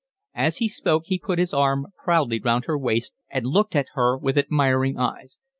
As he spoke he put his arm proudly round her waist and looked at her with admiring eyes.